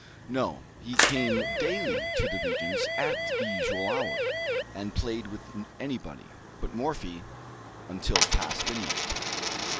No, he came daily to the Régence at the usual hour, and played with anybody, but Morphy, until past midnight.